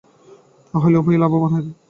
তাহা হইলে উভয়েই লাভবান হইবে।